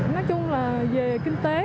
nói chung là về kinh tế